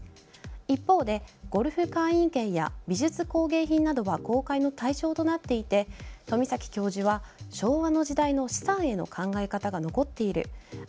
一方でゴルフ会員権や美術工芸品などは公開の対象となっていて富崎教授は昭和の時代の資産への考え方が残っている。